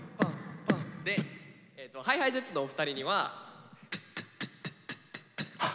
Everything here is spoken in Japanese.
でＨｉＨｉＪｅｔｓのお二人には。